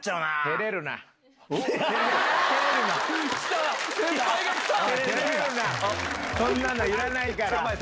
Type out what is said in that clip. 照れるなそんなのいらないから。